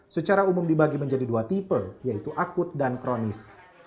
secara umum dibagi menjadi dua tipe yaitu akut dan kronis